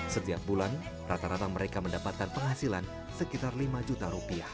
setiap bulan rata rata mereka mendapatkan penghasilan sekitar rp lima juta rupiah